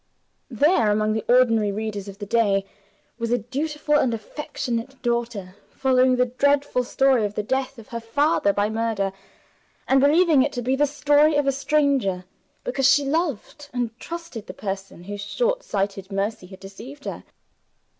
There, among the ordinary readers of the day, was a dutiful and affectionate daughter following the dreadful story of the death of her father by murder, and believing it to be the story of a stranger because she loved and trusted the person whose short sighted mercy had deceived her.